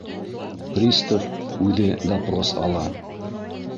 Пристав үҙе допрос ала.